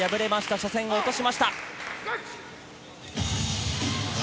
初戦を落としました。